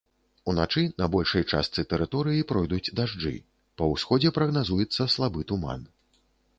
Уначы на большай частцы тэрыторыі пройдуць дажджы, па ўсходзе прагназуецца слабы туман.